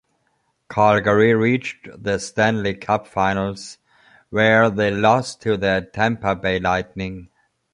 Calgary reached the Stanley Cup Finals, where they lost to the Tampa Bay Lightning.